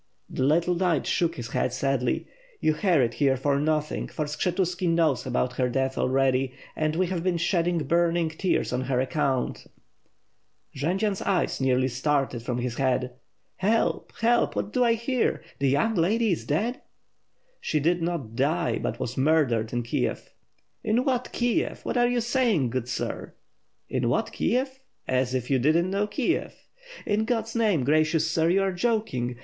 The little knight shook his head sadly. "You hurried here for nothing, for Skshetuski knows about her death already; and we have been shedding burning tears on her account." Jendzian's eyes nearly started from his head. "Help! Help! What do I hear? The young lady is dead?" "She did not die, but was murdered in Kiev." "In what Kiev? What are you saying, good sir?" "In what Kiev? As if you did not know Kiev!" "In God's name, gracious sir, you are joking!